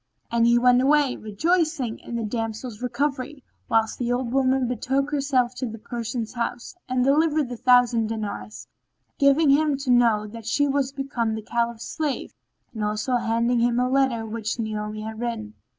And he went away, rejoicing in the damsel's recovery, whilst the old woman betook herself to the Persian's house and delivered the thousand dinars, giving him to know that she was become the Caliph's slave and also handing him a letter which Naomi had written.